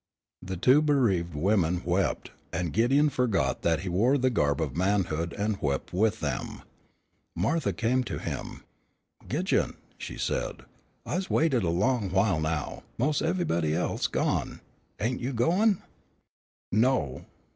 The two bereaved women wept, and Gideon forgot that he wore the garb of manhood and wept with them. Martha came to him. "Gidjon," she said, "I's waited a long while now. Mos' eve'ybody else is gone. Ain't you goin'?" "No."